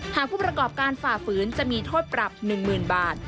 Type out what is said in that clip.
ผู้ประกอบการฝ่าฝืนจะมีโทษปรับ๑๐๐๐บาท